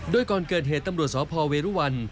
โดยก่อนเกิดเหตุตำรวจสพเวรุวัน